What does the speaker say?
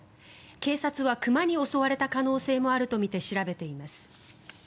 警察は熊に襲われた可能性もあるとみて調べています。